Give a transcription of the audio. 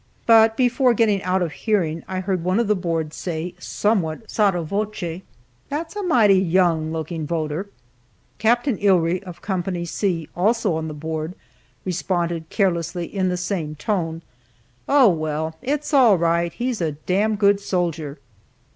But before getting out of hearing I heard one of the board say, somewhat sotto voce, "That's a mighty young looking voter." Capt. Ihrie, of Co. C, also on the board, responded carelessly in the same tone, "Oh well, it's all right; he's a dam good soldier."